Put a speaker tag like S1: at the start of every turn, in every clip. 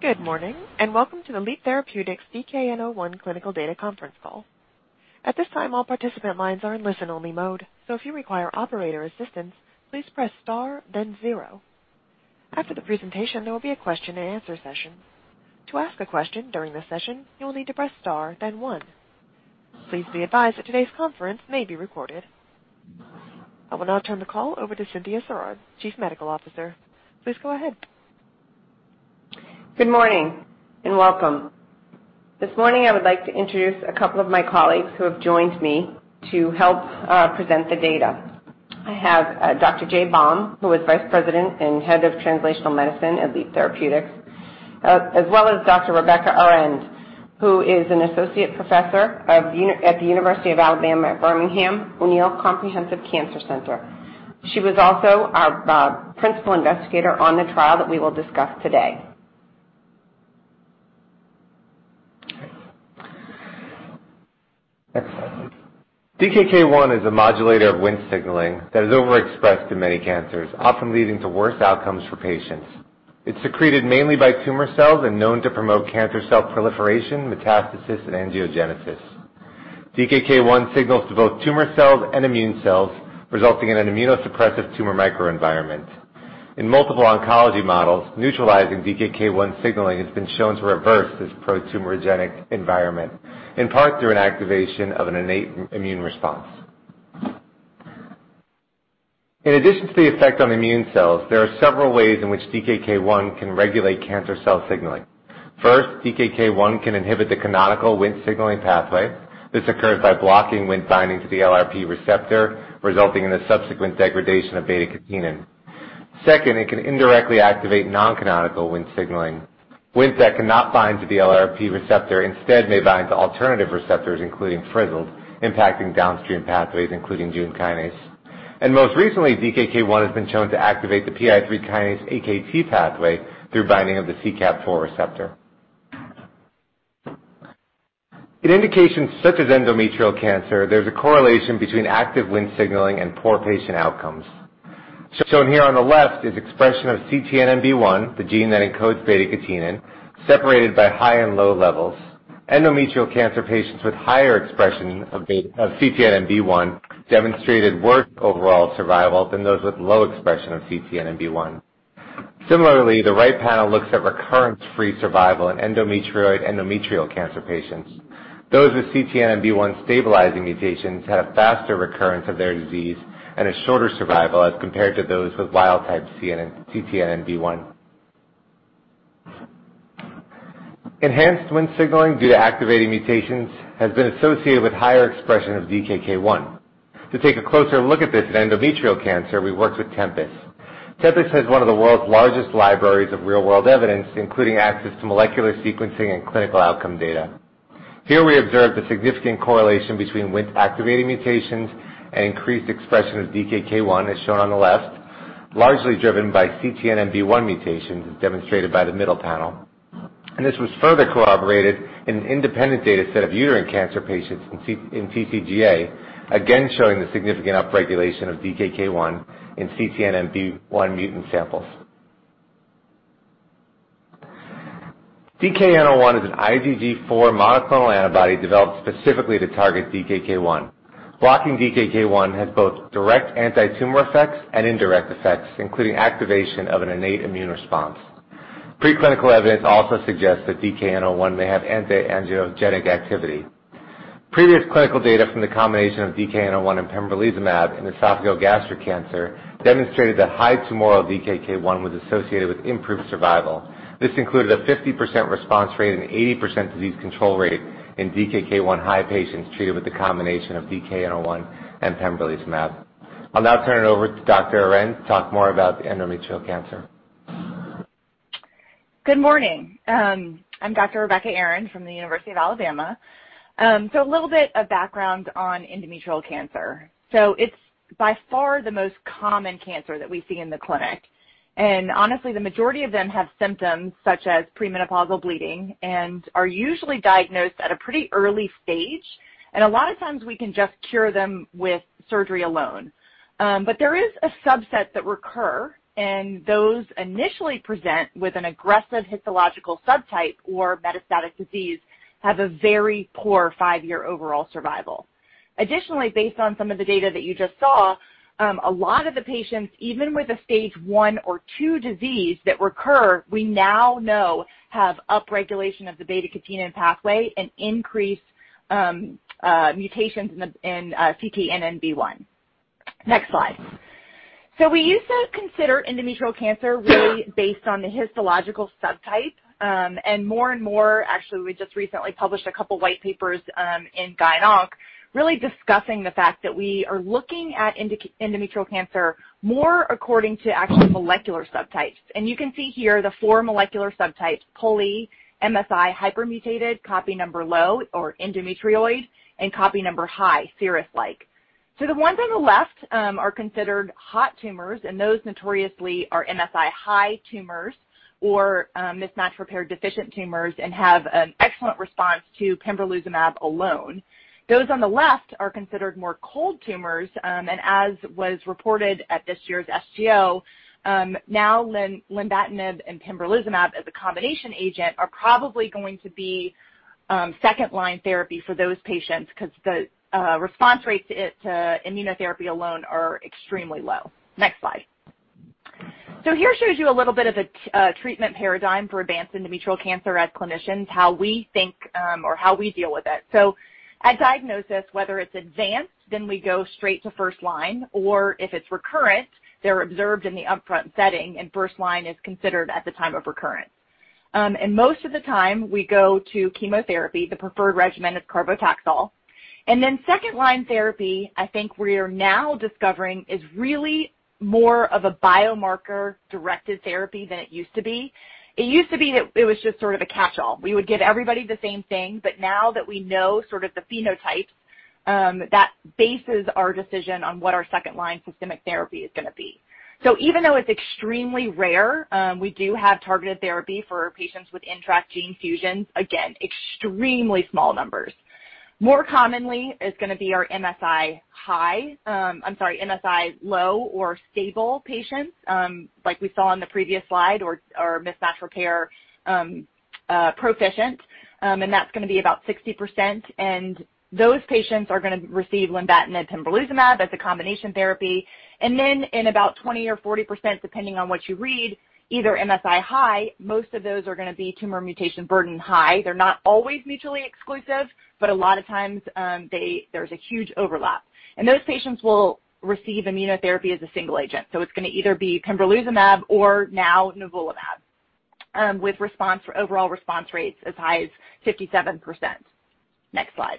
S1: Good morning, welcome to the Leap Therapeutics DKN-01 Clinical Data Conference Call. At this time, all participant lines are in listen-only mode, if you require operator assistance, please press star then zero. After the presentation, there will be a question and answer session. To ask a question during the session, you will need to press star then one. Please be advised that today's conference may be recorded. I will now turn the call over to Cynthia Sirard, Chief Medical Officer. Please go ahead.
S2: Good morning, and welcome. This morning, I would like to introduce a couple of my colleagues who have joined me to help present the data. I have Dr. Jay Baum, who is Vice President and Head of Translational Medicine at Leap Therapeutics, as well as Dr. Rebecca Arend, who is an associate professor at the University of Alabama at Birmingham O'Neal Comprehensive Cancer Center. She was also our principal investigator on the trial that we will discuss today.
S3: Next slide, please. DKK 1 is a modulator of Wnt signaling that is overexpressed in many cancers, often leading to worse outcomes for patients. It's secreted mainly by tumor cells and known to promote cancer cell proliferation, metastasis, and angiogenesis. DKK 1 signals to both tumor cells and immune cells, resulting in an immunosuppressive tumor microenvironment. In multiple oncology models, neutralizing DKK 1 signaling has been shown to reverse this pro-tumorigenic environment, in part through an activation of an innate immune response. In addition to the effect on immune cells, there are several ways in which DKK 1 can regulate cancer cell signaling. First, DKK 1 can inhibit the canonical Wnt signaling pathway. This occurs by blocking Wnt binding to the LRP receptor, resulting in the subsequent degradation of β-catenin. Second, it can indirectly activate non-canonical Wnt signaling. Wnt that cannot bind to the LRP receptor instead may bind to alternative receptors, including Frizzled, impacting downstream pathways including JNK. Most recently, DKK 1 has been shown to activate the PI3K AKT pathway through binding of the CKAP4 receptor. In indications such as endometrial cancer, there's a correlation between active Wnt signaling and poor patient outcomes. Shown here on the left is expression of CTNNB1, the gene that encodes β-catenin, separated by high and low levels. Endometrial cancer patients with higher expression of CTNNB1 demonstrated worse overall survival than those with low expression of CTNNB1. Similarly, the right panel looks at recurrence-free survival in endometrioid endometrial cancer patients. Those with CTNNB1-stabilizing mutations had a faster recurrence of their disease and a shorter survival as compared to those with wild-type CTNNB1. Enhanced Wnt signaling due to activating mutations has been associated with higher expression of DKK 1. To take a closer look at this in endometrial cancer, we worked with Tempus. Tempus has one of the world's largest libraries of real-world evidence, including access to molecular sequencing and clinical outcome data. Here we observed a significant correlation between Wnt-activating mutations and increased expression of DKK 1, as shown on the left, largely driven by CTNNB1 mutations, as demonstrated by the middle panel. This was further corroborated in an independent data set of uterine cancer patients in TCGA, again showing the significant upregulation of DKK 1 in CTNNB1 mutant samples. DKN-01 is an IgG4 monoclonal antibody developed specifically to target DKK 1. Blocking DKK 1 has both direct anti-tumor effects and indirect effects, including activation of an innate immune response. Preclinical evidence also suggests that DKN-01 may have anti-angiogenic activity. Previous clinical data from the combination of DKN-01 and pembrolizumab in esophageal gastric cancer demonstrated that high tumoral DKK 1 was associated with improved survival. This included a 50% response rate and 80% disease control rate in DKK 1 high patients treated with the combination of DKN-01 and pembrolizumab. I'll now turn it over to Dr. Arend to talk more about the endometrial cancer.
S4: Good morning. I'm Dr. Rebecca Arend from the University of Alabama. A little bit of background on endometrial cancer. It's by far the most common cancer that we see in the clinic, and honestly, the majority of them have symptoms such as premenopausal bleeding and are usually diagnosed at a pretty early stage. A lot of times we can just cure them with surgery alone. There is a subset that recur, and those initially present with an aggressive histological subtype or metastatic disease have a very poor five-year overall survival. Additionally, based on some of the data that you just saw, a lot of the patients, even with a stage one or two disease that recur, we now know have upregulation of the β-catenin pathway and increased mutations in CTNNB1. Next slide. We used to consider endometrial cancer really based on the histological subtype, and more and more, actually, we just recently published a couple white papers in GYN Onc, really discussing the fact that we are looking at endometrial cancer more according to actual molecular subtypes. You can see here the four molecular subtypes, POLE, MSI hypermutated, copy number low or endometrioid, and copy number high, serous-like. The ones on the left are considered hot tumors, and those notoriously are MSI high tumors or mismatch repair deficient tumors and have an excellent response to pembrolizumab alone. Those on the left are considered more cold tumors, and as was reported at this year's SGO, now lenvatinib and pembrolizumab as a combination agent are probably going to be second-line therapy for those patients because the response rates to immunotherapy alone are extremely low. Next slide. Here shows you a little bit of a treatment paradigm for advanced endometrial cancer as clinicians, how we think or how we deal with it. At diagnosis, whether it's advanced, then we go straight to first-line, or if it's recurrent, they're observed in the upfront setting, and first-line is considered at the time of recurrence. Most of the time we go to chemotherapy. The preferred regimen is carboplatin. Second-line therapy, I think we are now discovering is really more of a biomarker-directed therapy than it used to be. It used to be that it was just sort of a catchall. We would give everybody the same thing, but now that we know sort of the phenotypes, that bases our decision on what our second-line systemic therapy is going to be. Even though it's extremely rare, we do have targeted therapy for patients with NTRK gene fusions. Again, extremely small numbers. More commonly, it's going to be our MSI-high, MSI-low or stable patients, like we saw on the previous slide, or mismatch repair proficient. That's going to be about 60%. Those patients are going to receive lenvatinib, pembrolizumab as a combination therapy. In about 20% or 40%, depending on what you read, either MSI-high, most of those are going to be tumor mutation burden-high. They're not always mutually exclusive, but a lot of times there's a huge overlap. Those patients will receive immunotherapy as a single agent. It's going to either be pembrolizumab or now nivolumab with response for overall response rates as high as 57%. Next slide.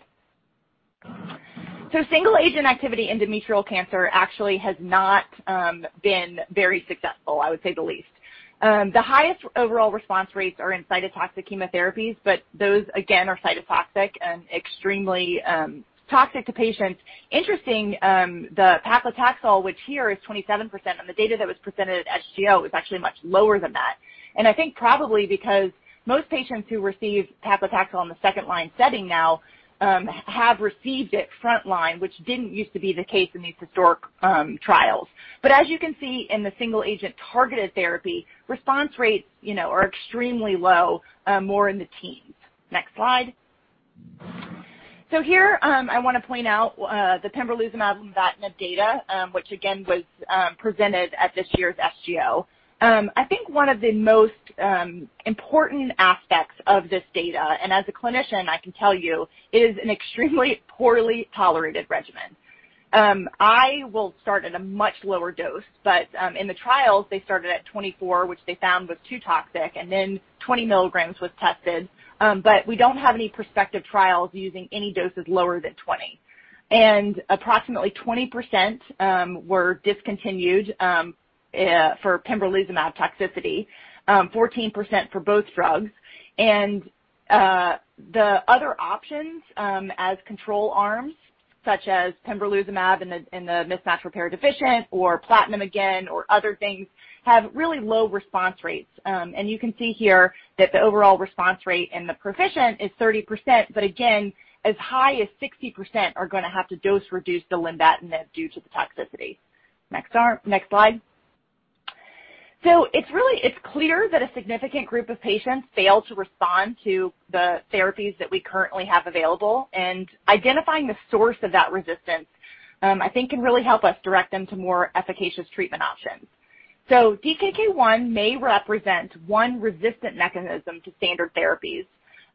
S4: Single-agent activity endometrial cancer actually has not been very successful, I would say the least. The highest overall response rates are in cytotoxic chemotherapies, but those again are cytotoxic and extremely toxic to patients. Interesting, the paclitaxel, which here is 27%, and the data that was presented at SGO is actually much lower than that. I think probably because most patients who receive paclitaxel on the second-line setting now have received it front line, which didn't used to be the case in these historic trials. As you can see in the single-agent targeted therapy, response rates are extremely low, more in the teens. Next slide. Here, I want to point out the pembrolizumab, lenvatinib data, which again was presented at this year's SGO. I think one of the most important aspects of this data, and as a clinician, I can tell you, it is an extremely poorly tolerated regimen. I will start at a much lower dose, in the trials they started at 24, which they found was too toxic, then 20 milligrams was tested. We don't have any prospective trials using any doses lower than 20. Approximately 20% were discontinued for pembrolizumab toxicity, 14% for both drugs. The other options, as control arms, such as pembrolizumab in the mismatch repair deficient or platinum again, or other things have really low response rates. You can see here that the overall response rate in the proficient is 30%, but again, as high as 60% are going to have to dose reduce the lenvatinib due to the toxicity. Next slide. It's clear that a significant group of patients fail to respond to the therapies that we currently have available, and identifying the source of that resistance, I think can really help us direct them to more efficacious treatment options. DKK 1 may represent one resistant mechanism to standard therapies.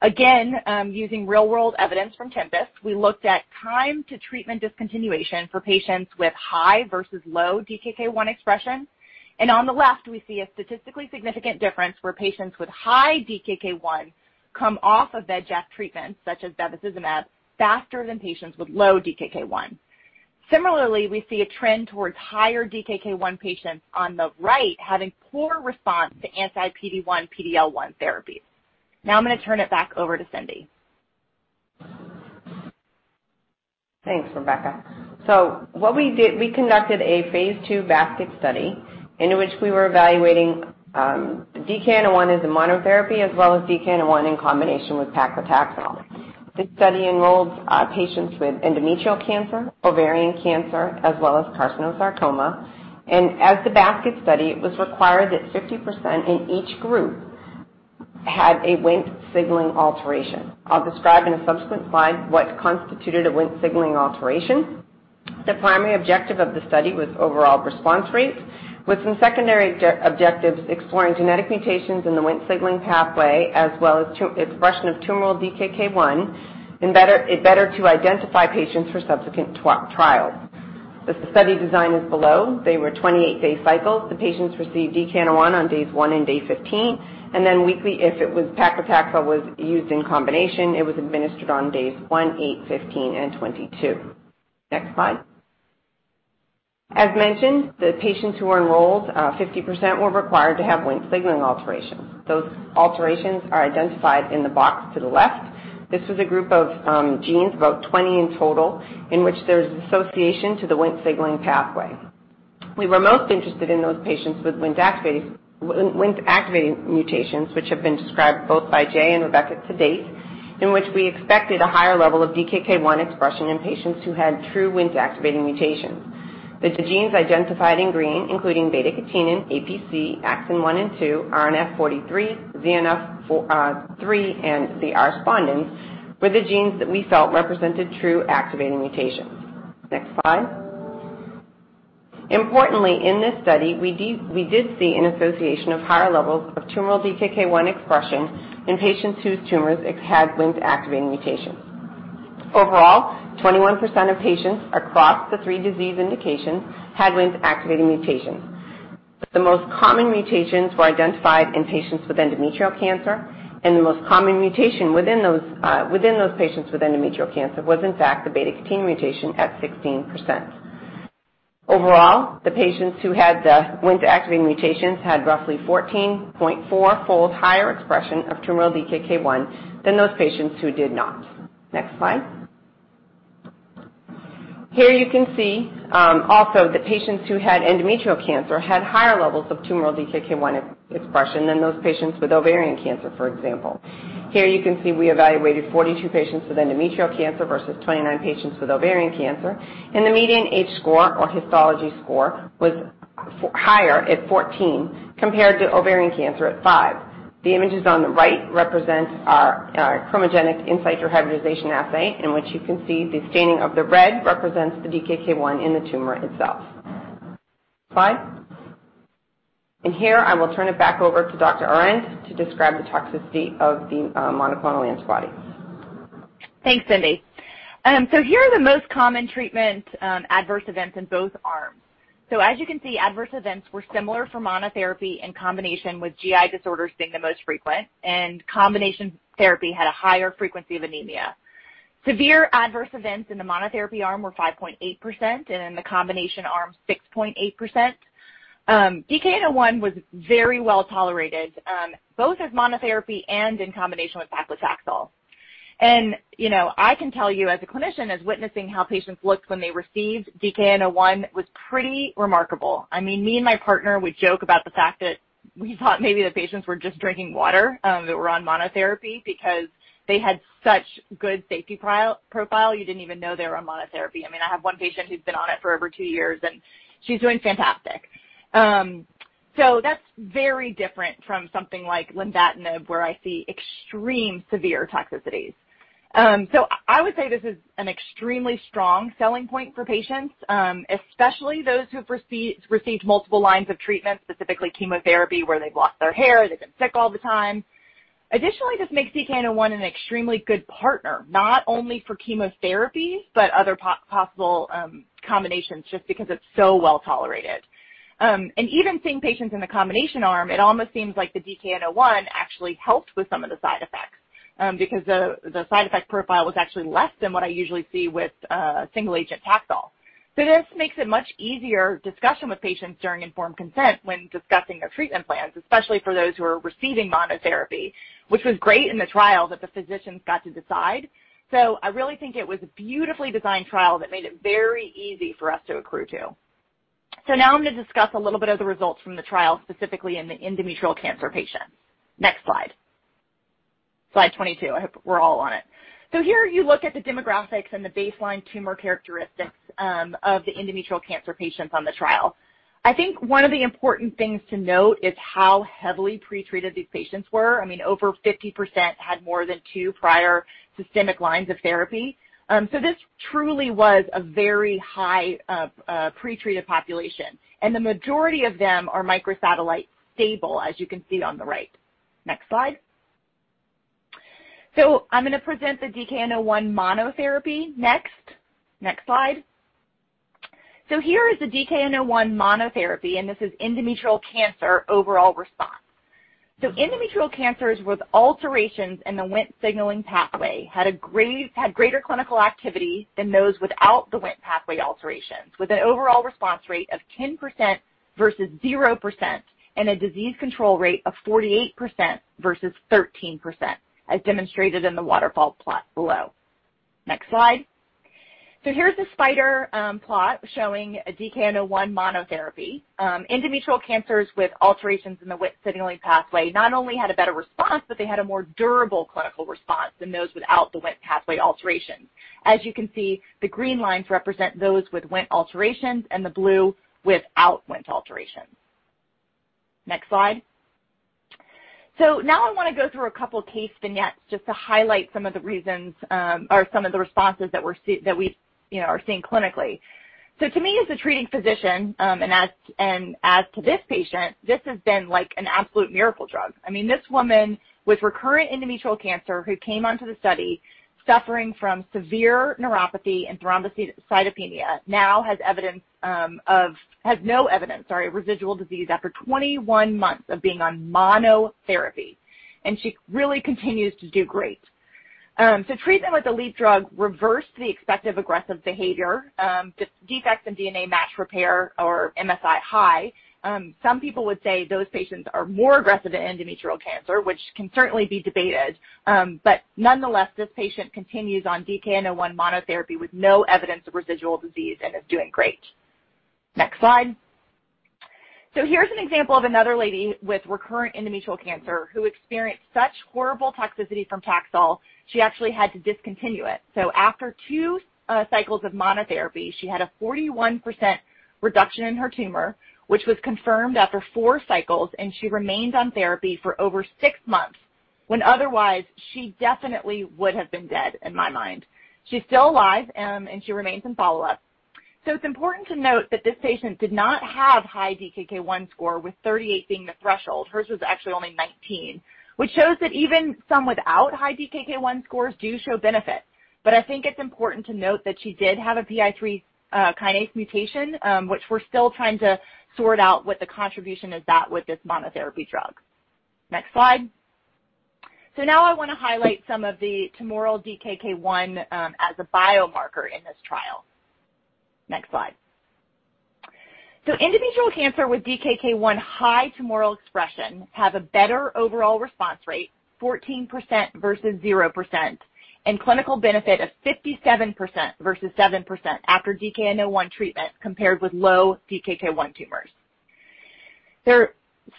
S4: Again, using real-world evidence from Tempus, we looked at time to treatment discontinuation for patients with high versus low DKK 1 expression. On the left, we see a statistically significant difference where patients with high DKK 1 come off of VEGF treatments such as bevacizumab faster than patients with low DKK 1. Similarly, we see a trend towards higher DKK 1 patients on the right having poor response to anti-PD-1, PD-L1 therapies. Now I'm going to turn it back over to Cyndi.
S2: Thanks, Rebecca. What we did, we conducted a phase II basket study in which we were evaluating 1 as a monotherapy as well as 1 in combination with paclitaxel. This study enrolled patients with endometrial cancer, ovarian cancer, as well as carcinosarcoma. As the basket study, it was required that 50% in each group had a Wnt signaling alteration. I'll describe in a subsequent slide what constituted a Wnt signaling alteration. The primary objective of the study was overall response rates, with some secondary objectives exploring genetic mutations in the Wnt signaling pathway, as well as expression of tumoral DKK 1, and better to identify patients for subsequent trials. The study design is below. They were 28-day cycles. The patients received DKK1 on days one and day 15, and then weekly if it was paclitaxel was used in combination, it was administered on days one, eight, 15, and 22. Next slide. As mentioned, the patients who were enrolled, 50% were required to have Wnt signaling alterations. Those alterations are identified in the box to the left. This is a group of genes, about 20 in total, in which there's association to the Wnt signaling pathway. We were most interested in those patients with Wnt-activating mutations, which have been described both by Jay and Rebecca to date, in which we expected a higher level of DKK 1 expression in patients who had true Wnt activating mutations. The genes identified in green, including β-catenin, APC, Axin one and two, RNF43, ZNRF3, and the R-spondins, were the genes that we felt represented true activating mutations. Next slide. Importantly, in this study, we did see an association of higher levels of tumoral DKK 1 expression in patients whose tumors had Wnt activating mutations. Overall, 21% of patients across the three disease indications had Wnt activating mutations. The most common mutations were identified in patients with endometrial cancer, and the most common mutation within those patients with endometrial cancer was in fact the β-catenin mutation at 16%. Overall, the patients who had the Wnt activating mutations had roughly 14.4-fold higher expression of tumoral DKK 1 than those patients who did not. Next slide. Here you can see also the patients who had endometrial cancer had higher levels of tumoral DKK 1 expression than those patients with ovarian cancer, for example. Here you can see we evaluated 42 patients with endometrial cancer versus 29 patients with ovarian cancer, and the median age score or histology score was higher at 14, compared to ovarian cancer at five. The images on the right represent our chromogenic in situ hybridization assay, in which you can see the staining of the red represents the DKK 1 in the tumor itself. Slide. Here I will turn it back over to Dr. Arend to describe the toxicity of the monoclonal antibody.
S4: Thanks, Cynthia. Here are the most common treatment adverse events in both arms. As you can see, adverse events were similar for monotherapy in combination, with GI disorders being the most frequent, and combination therapy had a higher frequency of anemia. Severe adverse events in the monotherapy arm were five point eight percent, and in the combination arm, six point eight percent. 1 was very well tolerated, both as monotherapy and in combination with paclitaxel. I can tell you as a clinician, as witnessing how patients looked when they received 1 was pretty remarkable. Me and my partner would joke about the fact that we thought maybe the patients were just drinking water that were on monotherapy because they had such good safety profile, you didn't even know they were on monotherapy. I have one patient who's been on it for over two years, and she's doing fantastic. That's very different from something like lenvatinib, where I see extreme severe toxicities. I would say this is an extremely strong selling point for patients, especially those who've received multiple lines of treatment, specifically chemotherapy, where they've lost their hair, they get sick all the time. Additionally, this makes 1 an extremely good partner, not only for chemotherapy, but other possible combinations just because it's so well-tolerated. Even seeing patients in the combination arm, it almost seems like the 1 actually helped with some of the side effects, because the side effect profile was actually less than what I usually see with single-agent Taxol. This makes it much easier discussion with patients during informed consent when discussing their treatment plans, especially for those who are receiving monotherapy, which was great in the trial that the physicians got to decide. I really think it was a beautifully designed trial that made it very easy for us to accrue, too. Now I'm going to discuss a little bit of the results from the trial, specifically in the endometrial cancer patients. Next slide. Slide 22. I hope we're all on it. Here you look at the demographics and the baseline tumor characteristics of the endometrial cancer patients on the trial. I think one of the important things to note is how heavily pretreated these patients were. Over 50% had more than two prior systemic lines of therapy. This truly was a very high pretreated population, and the majority of them are microsatellite stable, as you can see on the right. Next slide. I'm going to present the 1 monotherapy next. Next slide. Here is the 1 monotherapy, and this is endometrial cancer overall response. Endometrial cancers with alterations in the Wnt signaling pathway had greater clinical activity than those without the Wnt pathway alterations, with an overall response rate of 10% versus zero percent, and a disease control rate of 48% versus 13%, as demonstrated in the waterfall plot below. Next slide. Here's the spider plot showing a 1 monotherapy. Endometrial cancers with alterations in the Wnt signaling pathway not only had a better response, but they had a more durable clinical response than those without the Wnt pathway alterations. As you can see, the green lines represent those with Wnt alterations and the blue without Wnt alterations. Next slide. Now I want to go through a couple case vignettes just to highlight some of the reasons, or some of the responses that we are seeing clinically. To me, as a treating physician, and as to this patient, this has been like an absolute miracle drug. This woman with recurrent endometrial cancer who came onto the study suffering from severe neuropathy and thrombocytopenia, now has no evidence of residual disease after 21 months of being on monotherapy, and she really continues to do great. Treatment with the Leap drug reversed the expected aggressive behavior. Defects in DNA mismatch repair or MSI-high. Some people would say those patients are more aggressive to endometrial cancer, which can certainly be debated. Nonetheless, this patient continues on DKN-01 monotherapy with no evidence of residual disease and is doing great. Next slide. Here's an example of another lady with recurrent endometrial cancer who experienced such horrible toxicity from Taxol she actually had to discontinue it. After two cycles of monotherapy, she had a 41% reduction in her tumor, which was confirmed after four cycles, and she remained on therapy for over six months, when otherwise she definitely would have been dead in my mind. She's still alive, and she remains in follow-up. It's important to note that this patient did not have high DKK 1 score, with 38 being the threshold. Hers was actually only 19, which shows that even some without high DKK 1 scores do show benefit. I think it's important to note that she did have a PI3 kinase mutation, which we're still trying to sort out what the contribution is that with this monotherapy drug. Next slide. Now I want to highlight some of the tumoral DKK 1 as a biomarker in this trial. Next slide. Endometrial cancer with DKK 1 high tumoral expression have a better overall response rate, 14% versus zero percent, and clinical benefit of 57% versus seven percent after DKN-01 treatment compared with low DKK 1 tumors. There,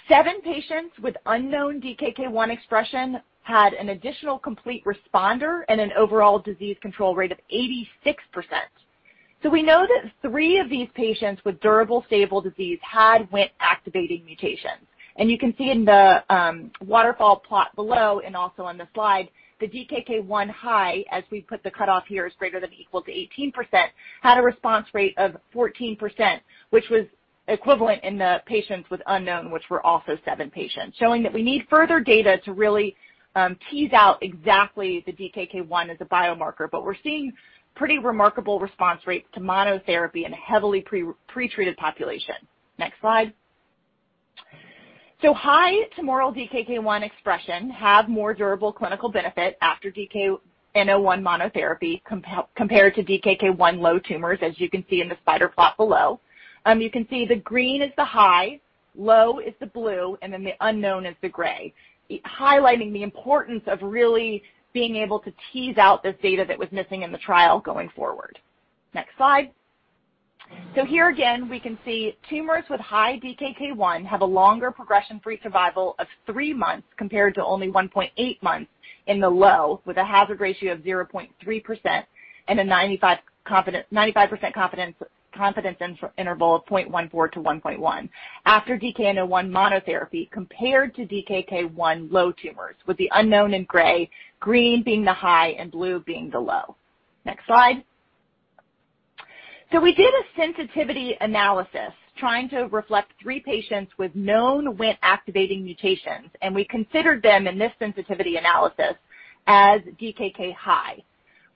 S4: seven patients with unknown DKK 1 expression had an additional complete responder and an overall disease control rate of 86%. We know that three of these patients with durable, stable disease had WNT activating mutations. You can see in the waterfall plot below and also on the slide, the DKK 1 high, as we put the cutoff here, is greater than or equal to 18%, had a response rate of 14%, which was equivalent in the patients with unknown, which were also seven patients. Showing that we need further data to really tease out exactly the DKK 1 as a biomarker. We're seeing pretty remarkable response rates to monotherapy in a heavily pretreated population. Next slide. High tumoral DKK 1 expression have more durable clinical benefit after DKN-01 monotherapy compared to DKK 1 low tumors, as you can see in the spider plot below. You can see the green is the high, low is the blue, and then the unknown is the gray. Highlighting the importance of really being able to tease out this data that was missing in the trial going forward. Next slide. Here again, we can see tumors with high DKK 1 have a longer progression-free survival of three months compared to only one point eight months in the low, with a hazard ratio of zero point three percent and a 95% confidence interval of zero point one four to one point one after DKN-01 monotherapy compared to DKK 1 low tumors, with the unknown in gray, green being the high, and blue being the low. Next slide. We did a sensitivity analysis trying to reflect three patients with known WNT activating mutations, and we considered them in this sensitivity analysis as DKK high,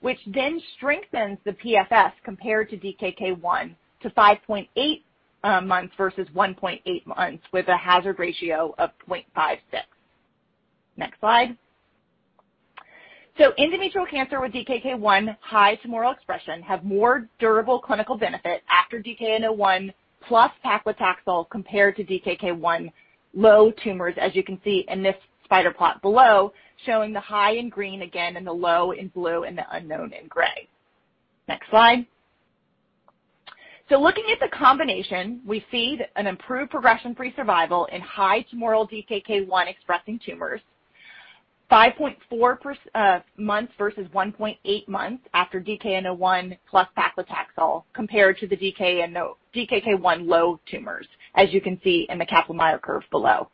S4: which then strengthens the PFS compared to DKK 1 to five point eight months versus one point eight months with a hazard ratio of point five six. Next slide. Endometrial cancer with DKK 1 high tumoral expression have more durable clinical benefit after DKN-01 plus paclitaxel compared to DKK 1 low tumors, as you can see in this spider plot below, showing the high in green again and the low in blue and the unknown in gray. Next slide. Looking at the combination, we see that an improved progression-free survival in high tumoral DKK 1 expressing tumors. Five point four months versus 1.8 months after DKN-01 plus paclitaxel compared to the DKK 1 low tumors, as you can see in the Kaplan-Meier curve below.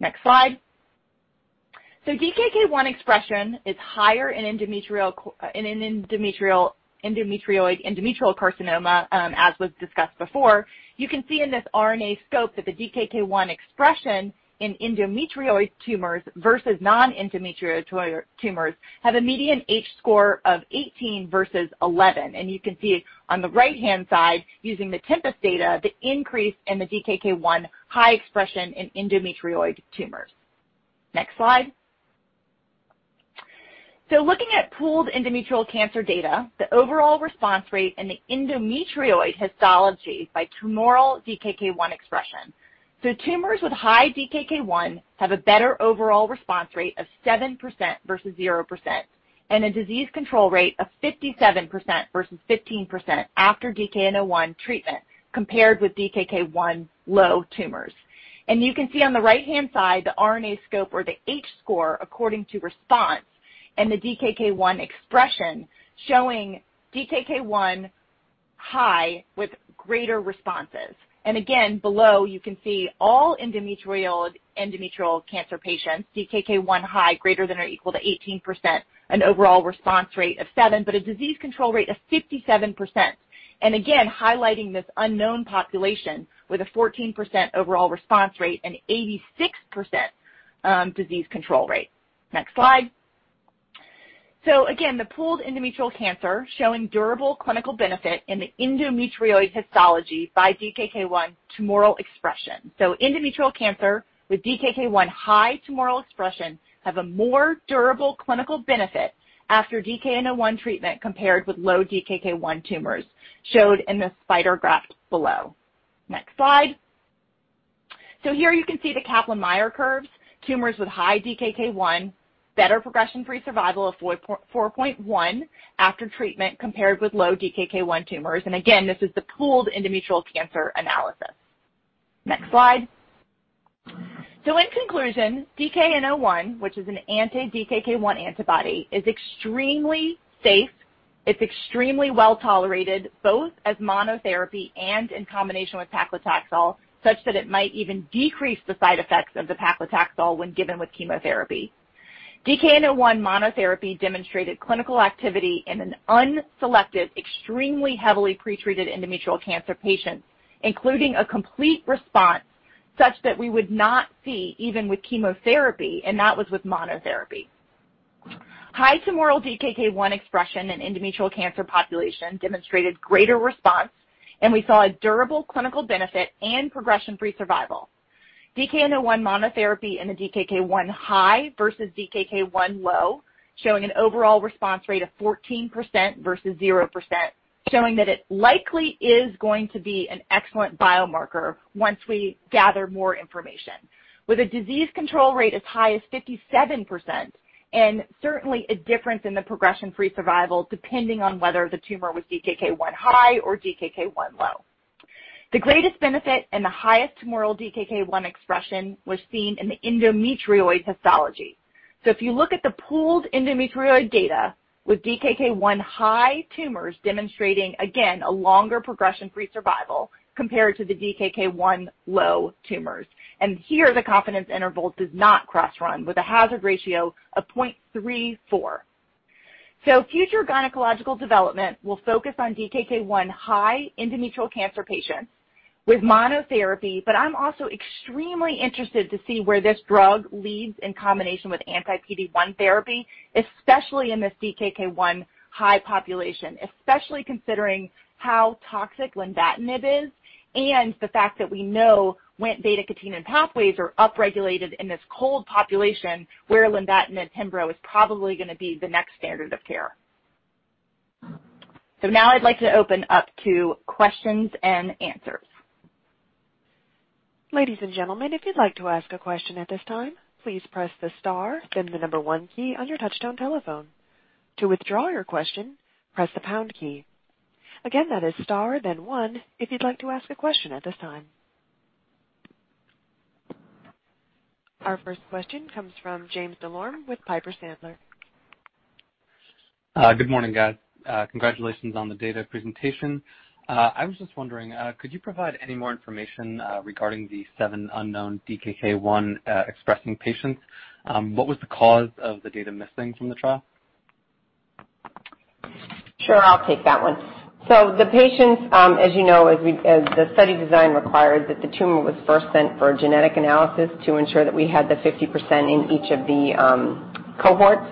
S4: Next slide. DKK 1 expression is higher in endometrial carcinoma, as was discussed before. You can see in this RNAscope that the DKK 1 expression in endometrioid tumors versus non-endometrioid tumors have a median H-score of 18 versus 11. You can see on the right-hand side, using the Tempus data, the increase in the DKK 1 high expression in endometrioid tumors. Next slide. Looking at pooled endometrial cancer data, the overall response rate and the endometrioid histology by tumoral DKK 1 expression. Tumors with high DKK 1 have a better overall response rate of seven percent versus zero percent and a disease control rate of 57% versus 15% after DKN-01 treatment compared with DKK 1 low tumors. You can see on the right-hand side the RNAscope or the H-score according to response and the DKK 1 expression showing DKK 1 high with greater responses. Again below you can see all endometrial cancer patients, DKK 1 high greater than or equal to 18%, an overall response rate of seven, but a disease control rate of 57%. Again, highlighting this unknown population with a 14% overall response rate and 86% disease control rate. Next slide. Again, the pooled endometrial cancer showing durable clinical benefit in the endometrioid histology by DKK 1 tumoral expression. Endometrial cancer with DKK 1 high tumoral expression has a more durable clinical benefit after DKN-01 treatment compared with low DKK 1 tumors, shown in the spider graph below. Next slide. Here you can see the Kaplan-Meier curves. Tumors with high DKK 1, better progression-free survival of four point one after treatment compared with low DKK 1 tumors. Again, this is the pooled endometrial cancer analysis. Next slide. In conclusion, DKN-01, which is an anti-DKK1 antibody, is extremely safe. It's extremely well-tolerated, both as monotherapy and in combination with paclitaxel, such that it might even decrease the side effects of the paclitaxel when given with chemotherapy. DKN-01 monotherapy demonstrated clinical activity in an unselected, extremely heavily pretreated endometrial cancer patient, including a complete response such that we would not see even with chemotherapy, and that was with monotherapy. High tumoral DKK 1 expression in endometrial cancer population demonstrated greater response, and we saw a durable clinical benefit and progression-free survival. DKN-01 monotherapy in the DKK 1 high versus DKK 1 low, showing an overall response rate of 14% versus zero percent, showing that it likely is going to be an excellent biomarker once we gather more information. With a disease control rate as high as 57% and certainly a difference in the progression-free survival depending on whether the tumor was DKK 1 high or DKK 1 low. The greatest benefit in the highest tumoral DKK 1 expression was seen in the endometrioid histology. If you look at the pooled endometrioid data with DKK 1 high tumors demonstrating, again, a longer progression-free survival compared to the DKK 1 low tumors. Here, the confidence interval does not cross-run with a hazard ratio of point three four. Future gynecologic development will focus on DKK 1 high endometrial cancer patients with monotherapy, but I'm also extremely interested to see where this drug leads in combination with anti-PD-1 therapy, especially in this DKK 1 high population, especially considering how toxic lenvatinib is and the fact that we know Wnt β-catenin pathways are upregulated in this cold population where lenvatinib/pembro is probably going to be the next standard of care. Now I'd like to open up to questions and answers.
S1: Our first question comes from James Delorme with Piper Sandler.
S5: Good morning, guys. Congratulations on the data presentation. I was just wondering, could you provide any more information regarding the seven unknown DKK1-expressing patients? What was the cause of the data missing from the trial?
S2: Sure. I'll take that one. The patients, as you know, as the study design required, that the tumor was first sent for genetic analysis to ensure that we had the 50% in each of the cohorts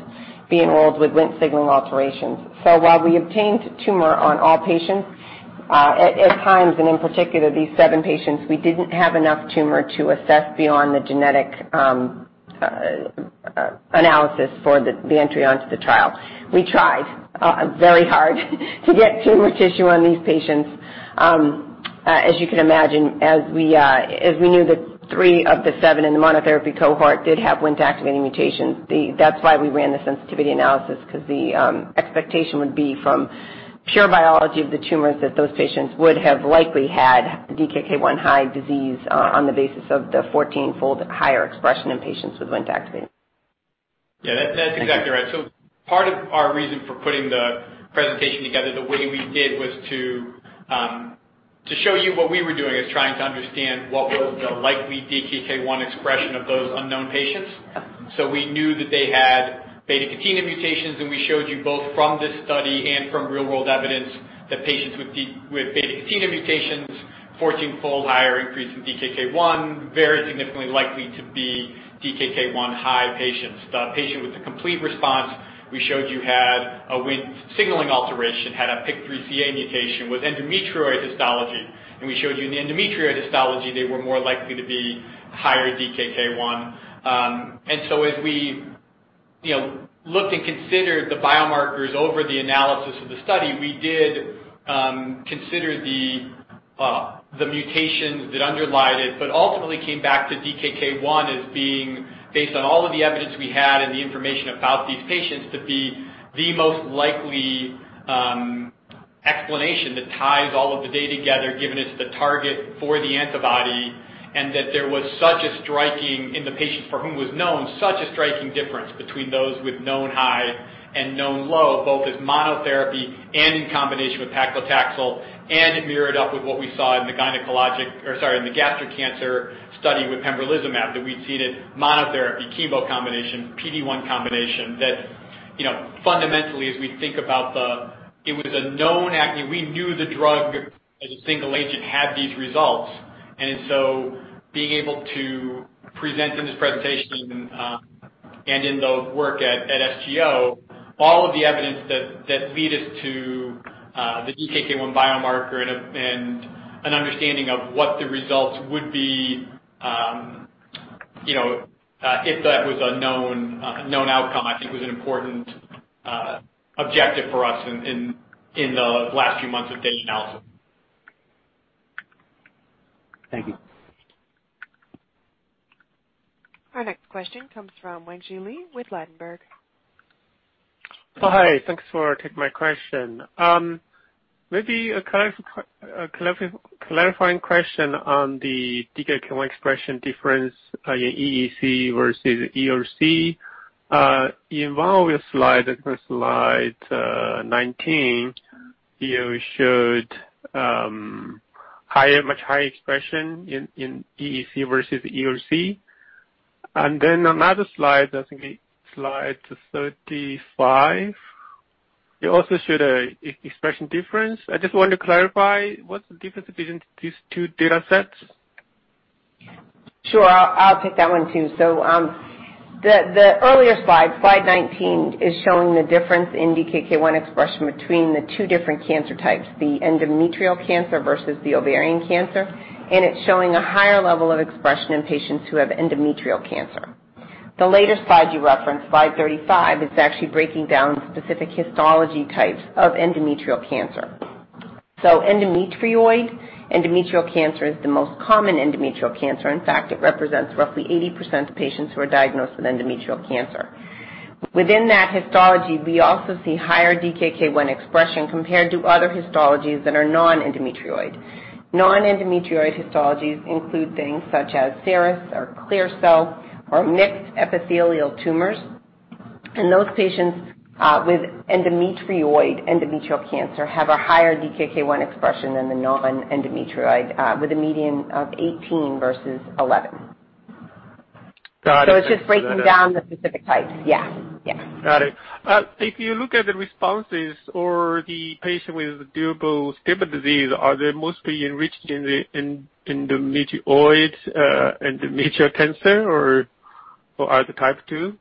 S2: be enrolled with Wnt signaling alterations. While we obtained tumor on all patients, at times, and in particular, these seven patients, we didn't have enough tumor to assess beyond the genetic analysis for the entry onto the trial. We tried very hard to get tumor tissue on these patients. As you can imagine, as we knew that three of the seven in the monotherapy cohort did have Wnt activating mutations. That's why we ran the sensitivity analysis, because the expectation would be from pure biology of the tumors that those patients would have likely had DKK 1 high disease on the basis of the 14-fold higher expression in patients with Wnt activated.
S3: Yeah, that's exactly right. Part of our reason for putting the presentation together the way we did was to show you what we were doing, is trying to understand what was the likely 1 expression of those unknown patients. We knew that they had β-catenin mutations, and we showed you both from this study and from real-world evidence that patients with β-catenin mutations, 14-fold higher increase in DKK 1, very significantly likely to be DKK 1 high patients. The patient with the complete response we showed you had a Wnt signaling alteration, had a PIK3CA mutation with endometrioid histology. We showed you in the endometrioid histology, they were more likely to be higher DKK 1.
S6: As we looked and considered the biomarkers over the analysis of the study, we did consider the mutations that underlied it, but ultimately came back to DKK 1 as being based on all of the evidence we had and the information about these patients to be the most likely explanation that ties all of the data together, given it's the target for the antibody, and that there was such a striking, in the patient for whom it was known, such a striking difference between those with known high and known low, both as monotherapy and in combination with paclitaxel, and it mirrored up with what we saw in the gynecologic or sorry, in the gastric cancer study with pembrolizumab, that we'd seen in monotherapy, chemo combination, PD-1 combination, that fundamentally as we think about, We knew the drug as a single agent had these results, and so being able to Present in this presentation and in the work at SGO, all of the evidence that lead us to the DKK 1 biomarker and an understanding of what the results would be if that was a known outcome, I think was an important objective for us in the last few months of data analysis.
S5: Thank you.
S1: Our next question comes from Wangzhi Li with Ladenburg.
S7: Hi. Thanks for taking my question. Maybe a clarifying question on the DKK 1 expression difference in EEC versus EOC. In one of your slides, I think slide 19, you showed much higher expression in EEC versus EOC. Another slide, I think slide 35, it also showed a expression difference. I just want to clarify, what's the difference between these two data sets?
S2: Sure. I'll take that one too. The earlier slide 19, is showing the difference in DKK 1 expression between the two different cancer types, the endometrial cancer versus the ovarian cancer, and it's showing a higher level of expression in patients who have endometrial cancer. The later slide you referenced, slide 35, is actually breaking down specific histology types of endometrial cancer. Endometrioid endometrial cancer is the most common endometrial cancer. In fact, it represents roughly 80% of patients who are diagnosed with endometrial cancer. Within that histology, we also see higher DKK 1 expression compared to other histologies that are non-endometrioid. Non-endometrioid histologies include things such as serous or clear cell or mixed epithelial tumors. Those patients with endometrioid endometrial cancer have a higher DKK 1 expression than the non-endometrioid, with a median of 18 versus 11.
S7: Got it.
S2: It's just breaking down the specific types. Yeah.
S7: Got it. If you look at the responses or the patient with durable stable disease, are they mostly enriched in the endometrioid endometrial cancer or other type 2?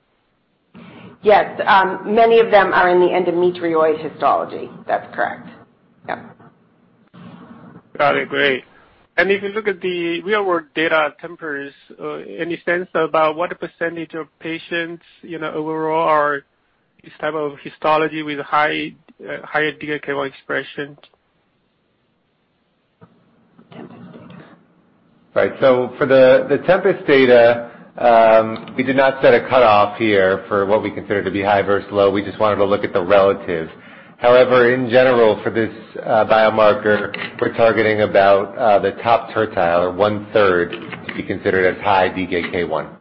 S2: Yes. Many of them are in the endometrioid histology. That's correct. Yep.
S7: Got it. Great. If you look at the real-world data, Tempus, any sense about what percent of patients overall are this type of histology with higher DKK1 expression?
S2: Tempus data.
S3: Right. For the Tempus data, we did not set a cutoff here for what we consider to be high versus low. We just wanted to look at the relative. In general, for this biomarker, we're targeting about the top tertile, or one-third, to be considered as high DKK 1.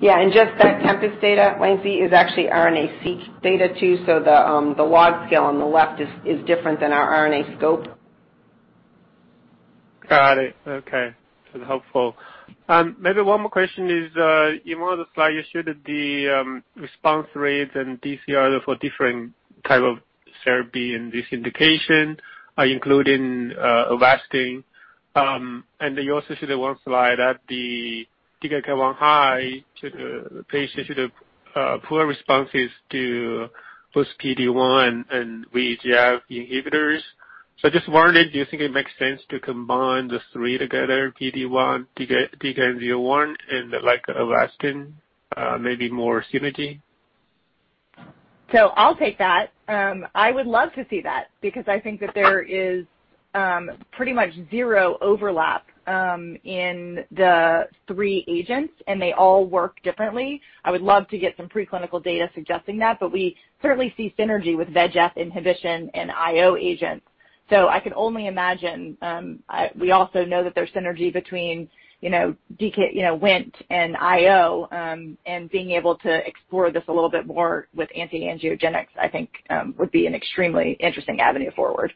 S2: Yeah, just that Tempus data, Wenxi, is actually RNA-Seq data too, so the log scale on the left is different than our RNAscope.
S7: Got it. Okay. That's helpful. Maybe one more question is, in one of the slides, you showed the response rates and DCRs for different type of therapy in this indication, including Avastin. You also showed one slide at the 1 high to the patient, showed poor responses to both PD-1 and VEGF inhibitors. I just wondered, do you think it makes sense to combine the three together, PD-1, 1, and Avastin, maybe more synergy?
S4: I'll take that. I would love to see that because I think that there is pretty much zero overlap in the three agents, and they all work differently. I would love to get some preclinical data suggesting that, but we certainly see synergy with VEGF inhibition and IO agents. I can only imagine. We also know that there's synergy between Wnt and IO, and being able to explore this a little bit more with anti-angiogenics, I think would be an extremely interesting avenue forward.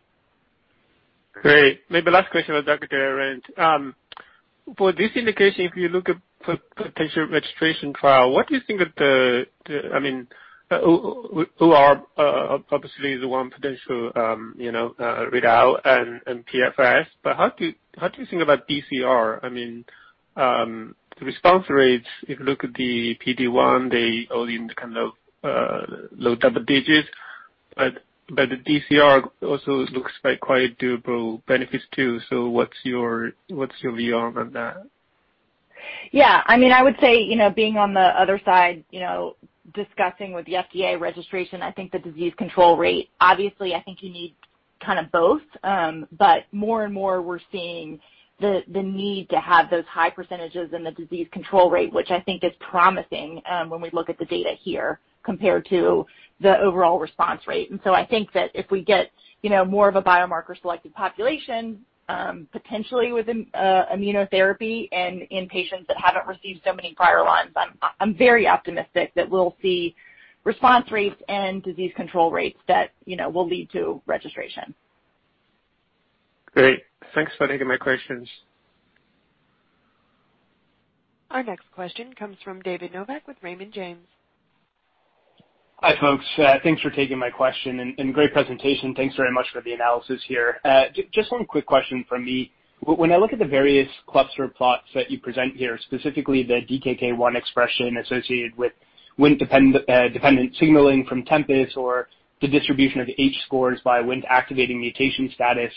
S7: Great. Maybe last question for Dr. Arend. For this indication, if you look at potential registration trial, what do you think of the OR obviously the one potential readout and PFS? How do you think about DCR? The response rates, if you look at the PD-1, they all in the kind of low double digits, but the DCR also looks like quite durable benefits too. What's your view on that?
S4: Yeah. I would say, being on the other side, discussing with the FDA registration, I think the disease control rate, obviously, I think you need kind of both. More and more we're seeing the need to have those high percentages in the disease control rate, which I think is promising when we look at the data here compared to the overall response rate. I think that if we get more of a biomarker-selected population, potentially with immunotherapy and in patients that haven't received so many prior lines, I'm very optimistic that we'll see response rates and disease control rates that will lead to registration.
S7: Great. Thanks for taking my questions.
S1: Our next question comes from David Novak with Raymond James.
S8: Hi, folks. Thanks for taking my question and great presentation. Thanks very much for the analysis here. Just one quick question from me. When I look at the various cluster plots that you present here, specifically the DKK 1 expression associated with WNT-dependent signaling from Tempus, or the distribution of H-scores by WNT activating mutation status,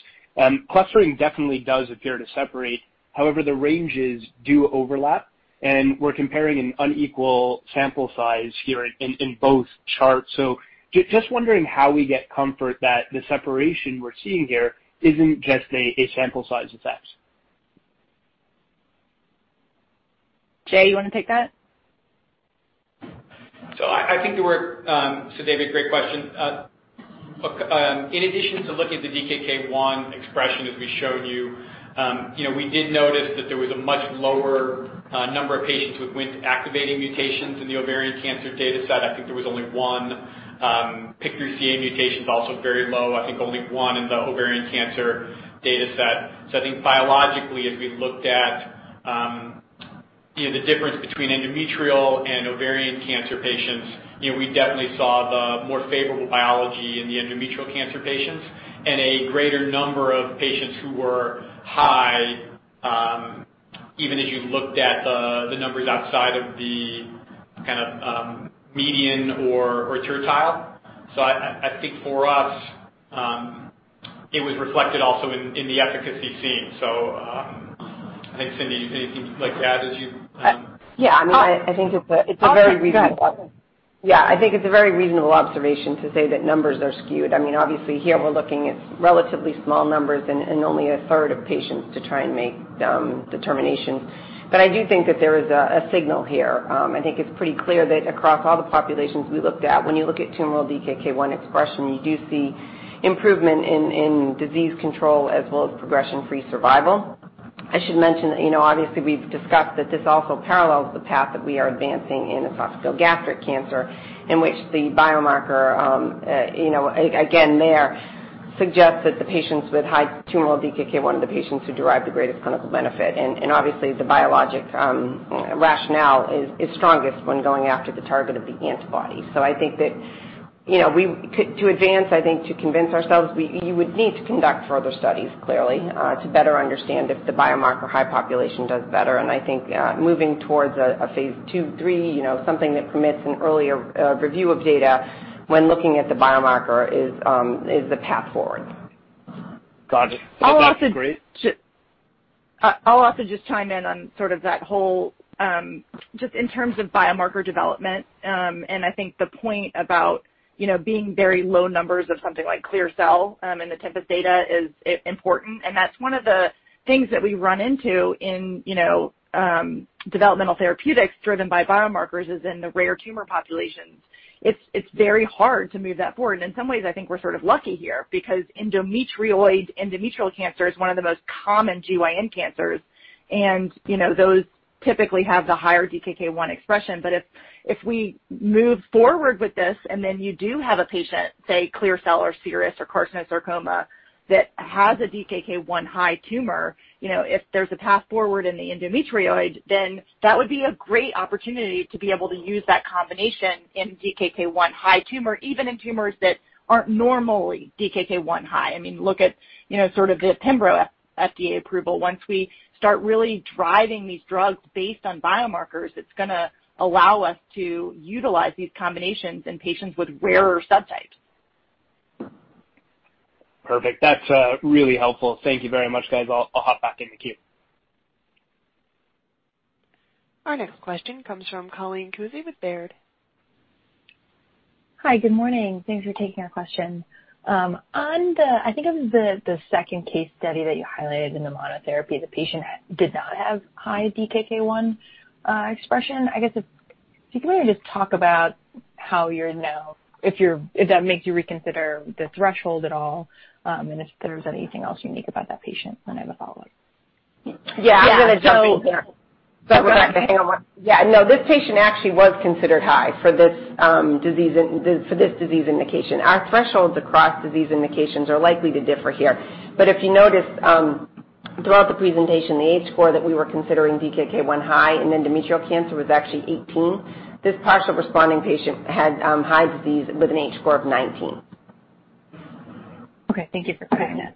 S8: clustering definitely does appear to separate. However, the ranges do overlap, and we're comparing an unequal sample size here in both charts. Just wondering how we get comfort that the separation we're seeing here isn't just a sample size effect.
S4: Jay, you want to take that?
S3: David, great question. Look, in addition to looking at the DKK 1 expression as we showed you, we did notice that there was a much lower number of patients with WNT activating mutations in the ovarian cancer data set. I think there was only one. PIK3CA mutation is also very low, I think only one in the ovarian cancer data set. I think biologically, as we looked at the difference between endometrial and ovarian cancer patients, we definitely saw the more favorable biology in the endometrial cancer patients and a greater number of patients who were high, even as you looked at the numbers outside of the kind of median or tertile. I think for us, it was reflected also in the efficacy seen. I think Cyndi, anything you'd like to add as you
S2: Yeah. I think it's a very reasonable
S8: Go ahead.
S2: Yeah, I think it's a very reasonable observation to say that numbers are skewed. Here we're looking at relatively small numbers and only a third of patients to try and make determinations. I do think that there is a signal here. I think it's pretty clear that across all the populations we looked at, when you look at tumoral DKK 1 expression, you do see improvement in disease control as well as progression-free survival. I should mention that obviously we've discussed that this also parallels the path that we are advancing in esophageal gastric cancer, in which the biomarker, again, there suggests that the patients with high tumoral DKK 1 are the patients who derive the greatest clinical benefit, and obviously the biologic rationale is strongest when going after the target of the antibody. I think that to advance, I think to convince ourselves, you would need to conduct further studies, clearly, to better understand if the biomarker high population does better. I think moving towards a phase II, III, something that permits an earlier review of data when looking at the biomarker is the path forward.
S8: Got it. That's great.
S4: I'll also just chime in on sort of that whole, just in terms of biomarker development. I think the point about being very low numbers of something like clear cell in the Tempus data is important, and that's one of the things that we run into in developmental therapeutics driven by biomarkers is in the rare tumor populations. It's very hard to move that forward. In some ways, I think we're sort of lucky here because endometrioid endometrial cancer is one of the most common GYN cancers, and those typically have the higher DKK 1 expression. If we move forward with this, and then you do have a patient, say clear cell or serous or carcinosarcoma, that has a DKK 1 high tumor, if there's a path forward in the endometrioid, then that would be a great opportunity to be able to use that combination in DKK 1 high tumor, even in tumors that aren't normally DKK 1 high. Look at sort of the pembro FDA approval. Once we start really driving these drugs based on biomarkers, it's going to allow us to utilize these combinations in patients with rarer subtypes.
S8: Perfect. That's really helpful. Thank you very much, guys. I'll hop back in the queue.
S1: Our next question comes from Colleen Kusy with Baird.
S9: Hi, good morning. Thanks for taking our question. I think it was the second case study that you highlighted in the monotherapy, the patient did not have high DKK 1 expression. I guess if you can maybe just talk about how you're now, if that makes you reconsider the threshold at all, and if there's anything else unique about that patient. I have a follow-up.
S2: Yeah. I'm going to jump in. Go ahead.
S4: Yeah, no, this patient actually was considered high for this disease indication. Our thresholds across disease indications are likely to differ here. If you noticed throughout the presentation, the H-score that we were considering DKK 1 high in endometrial cancer was actually 18. This partial responding patient had high disease with an H-score of 19.
S9: Okay. Thank you for clarifying that.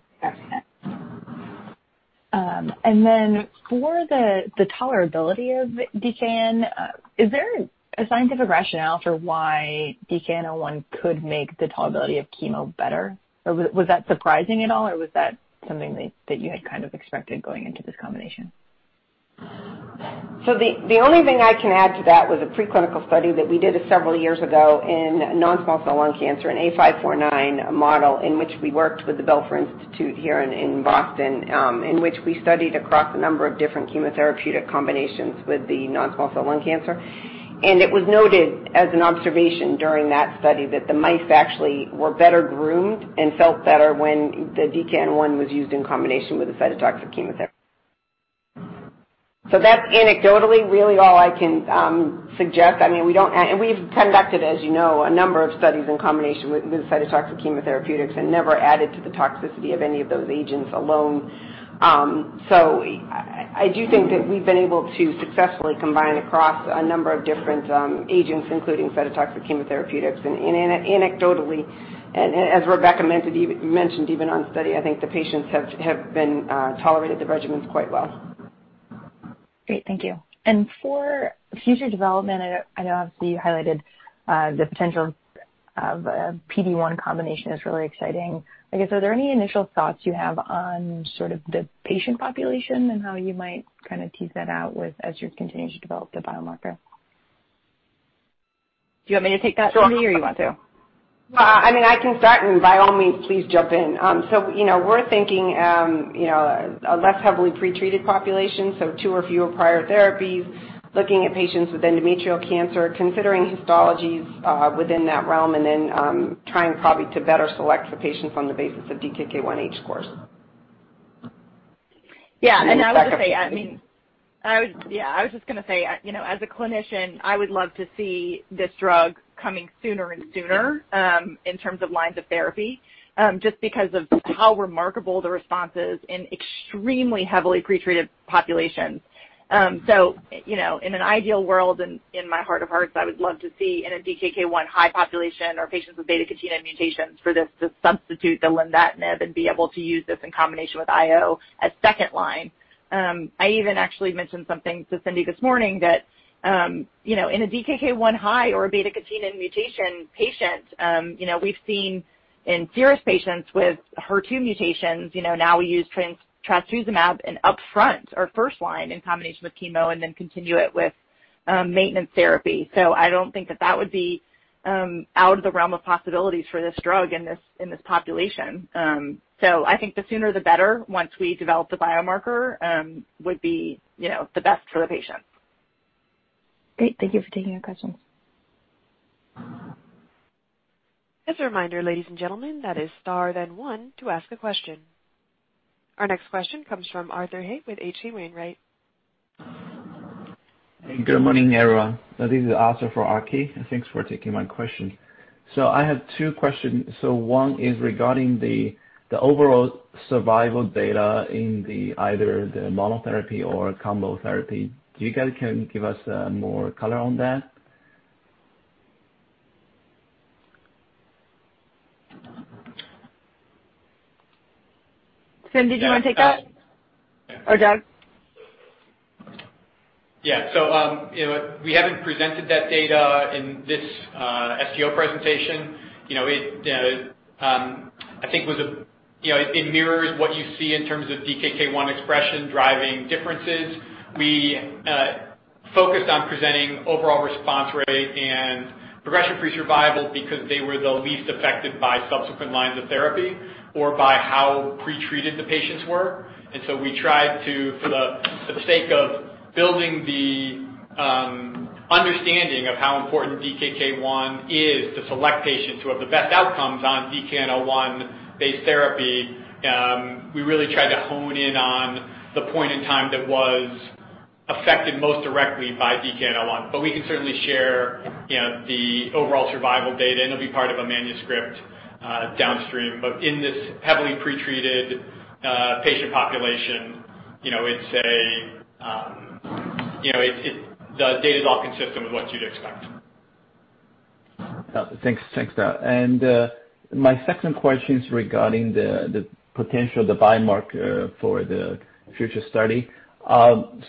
S9: For the tolerability of DKN-01, is there a scientific rationale for why DKN-01 could make the tolerability of chemo better? Was that surprising at all? Was that something that you had kind of expected going into this combination?
S3: The only thing I can add to that was a preclinical study that we did several years ago in non-small cell lung cancer, an A549 model in which we worked with the Belfer Institute here in Boston, in which we studied across a number of different chemotherapeutic combinations with the non-small cell lung cancer. It was noted as an observation during that study that the mice actually were better groomed and felt better when the DKN-01-01 was used in combination with a cytotoxic chemotherapy.
S2: That's anecdotally really all I can suggest. We've conducted, as you know, a number of studies in combination with cytotoxic chemotherapeutics and never added to the toxicity of any of those agents alone. I do think that we've been able to successfully combine across a number of different agents, including cytotoxic chemotherapeutics. Anecdotally, as Rebecca mentioned, even on study, I think the patients have tolerated the regimens quite well.
S9: Great. Thank you. For future development, I know obviously you highlighted the potential of a PD-1 combination is really exciting. I guess, are there any initial thoughts you have on sort of the patient population and how you might kind of tease that out as you continue to develop the biomarker?
S4: Do you want me to take that, Cyndi? Or you want to?
S2: I can start and by all means, please jump in. We're thinking, a less heavily pretreated population, so two or fewer prior therapies, looking at patients with endometrial cancer, considering histologies within that realm, and then trying probably to better select for patients on the basis of DKK 1 H-scores.
S4: Yeah. I would say.
S2: Go ahead, Rebecca.
S4: Yeah, I was just going to say, as a clinician, I would love to see this drug coming sooner and sooner, in terms of lines of therapy, just because of how remarkable the response is in extremely heavily pretreated populations. In an ideal world and in my heart of hearts, I would love to see in a DKK 1 high population or patients with β-catenin mutations for this to substitute the lenvatinib and be able to use this in combination with IO as second line. I even actually mentioned something to Cyndi this morning that in a DKK 1 high or a β-catenin mutation patient, we've seen in serous patients with HER2 mutations, now we use trastuzumab in upfront or first line in combination with chemo and then continue it with maintenance therapy. I don't think that that would be out of the realm of possibilities for this drug in this population. I think the sooner the better once we develop the biomarker would be the best for the patients.
S9: Great. Thank you for taking our questions.
S1: As a reminder, ladies and gentlemen, that is star then one to ask a question. Our next question comes from Arthur He with H.C. Wainwright.
S10: Good morning, everyone. This is Arthur from HC. Thanks for taking my question. I have two questions. One is regarding the overall survival data in either the monotherapy or combo therapy. Do you guys can give us more color on that?
S4: Cyndi, do you want to take that? Or Doug?
S6: We haven't presented that data in this SGO presentation. I think it mirrors what you see in terms of DKK 1 expression driving differences. We focused on presenting overall response rate and progression-free survival because they were the least affected by subsequent lines of therapy or by how pretreated the patients were. We tried to, for the sake of building the understanding of how important DKK 1 is to select patients who have the best outcomes on DKN-01-based therapy, we really tried to hone in on the point in time that was affected most directly by DKN-01. We can certainly share the overall survival data, and it'll be part of a manuscript downstream. In this heavily pretreated patient population, the data's all consistent with what you'd expect.
S10: Thanks, Doug. My second question is regarding the potential, the biomarker for the future study. One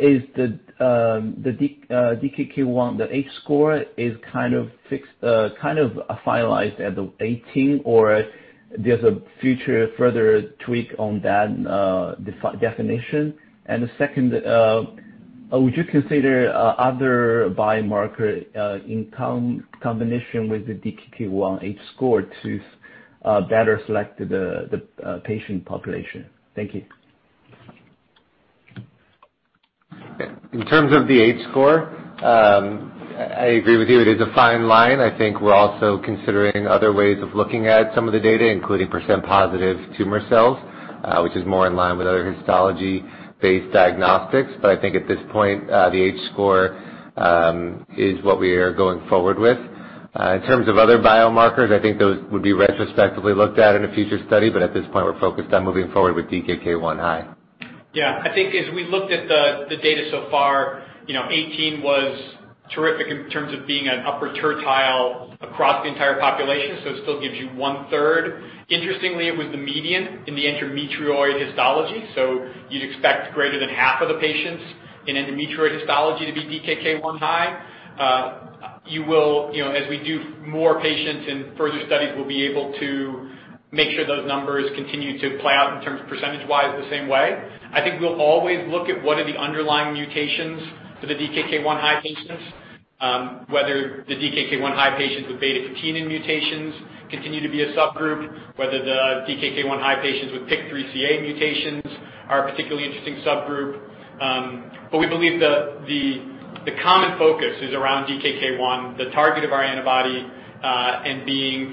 S10: is the DKK 1, the H-score is kind of finalized at the 18 or there is a future further tweak on that definition? The second, would you consider other biomarker in combination with the DKK 1 H-score to better select the patient population? Thank you.
S6: In terms of the H-score, I agree with you. It is a fine line. I think we're also considering other ways of looking at some of the data, including percent positive tumor cells, which is more in line with other histology-based diagnostics. I think at this point, the H-score is what we are going forward with. In terms of other biomarkers, I think those would be retrospectively looked at in a future study, but at this point, we're focused on moving forward with DKK 1 high. Yeah. I think as we looked at the data so far, 18 was terrific in terms of being an upper tertile across the entire population, so it still gives you one-third. Interestingly, it was the median in the endometrioid histology, so you'd expect greater than half of the patients in endometrioid histology to be DKK 1 high. As we do more patients and further studies, we'll be able to make sure those numbers continue to play out in terms of percentage-wise the same way. I think we'll always look at what are the underlying mutations for the DKK 1 high patients, whether the DKK 1 high patients with β-catenin mutations continue to be a subgroup, whether the DKK 1 high patients with PIK3CA mutations are a particularly interesting subgroup. We believe the common focus is around DKK 1, the target of our antibody, and being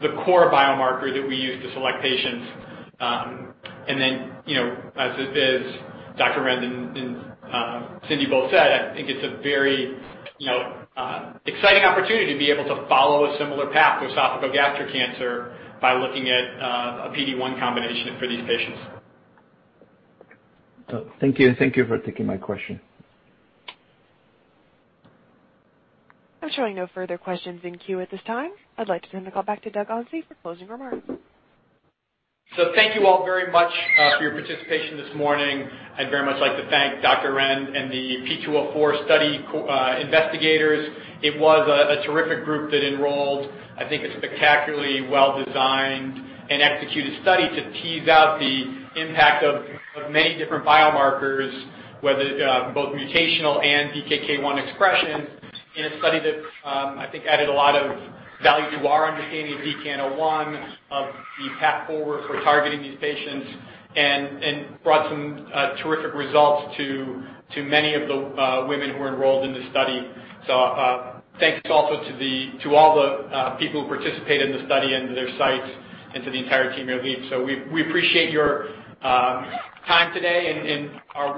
S6: the core biomarker that we use to select patients. As Dr. Arend and Cyndi both said, I think it's a very exciting opportunity to be able to follow a similar path with esophagogastric cancer by looking at a PD-1 combination for these patients.
S10: Thank you. Thank you for taking my question.
S1: I'm showing no further questions in queue at this time. I'd like to turn the call back to Doug Onsi for closing remarks.
S6: Thank you all very much for your participation this morning. I'd very much like to thank Dr. Arend and the P204 study investigators. It was a terrific group that enrolled, I think, a spectacularly well-designed and executed study to tease out the impact of many different biomarkers, whether both mutational and DKK 1 expression in a study that I think added a lot of value to our understanding of DKN-01, of the path forward for targeting these patients, and brought some terrific results to many of the women who were enrolled in this study. Thanks also to all the people who participated in the study and their sites and to the entire team at Leap. We appreciate your time today and are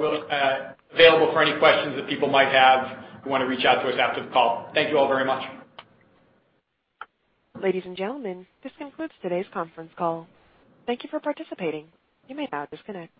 S6: available for any questions that people might have who want to reach out to us after the call. Thank you all very much.
S1: Ladies and gentlemen, this concludes today's conference call. Thank you for participating. You may now disconnect.